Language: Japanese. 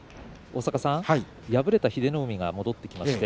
敗れた英乃海が戻ってきました。